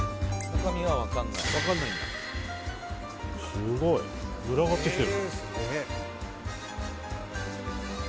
富澤：すごい。群がってきてる！